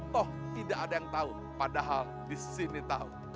toh tidak ada yang tahu padahal di sini tahu